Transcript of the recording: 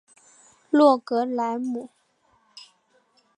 洛格莱姆。